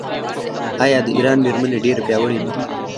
آیا د ایران میرمنې ډیرې پیاوړې نه دي؟